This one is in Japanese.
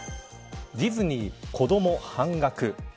ディズニー、子ども半額。